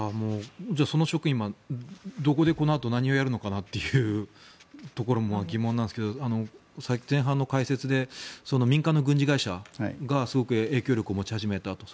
その職員はどこでこのあと何をやるのかなというところが疑問なんですけど前半の解説で民間の軍事会社がすごく影響力を持ち始めたと。